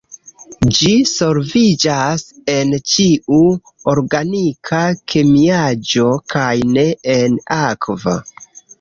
Ĝi solviĝas en ĉiu organika kemiaĵo kaj ne en akvo.